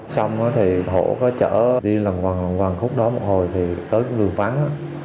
xong thì hổ có chở đi lần hoàng khúc đó một hồi thì tới lưu vắng